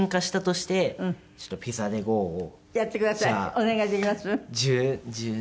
お願いできます？